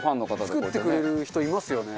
作ってくれる人いますよね。